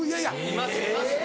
いますいます。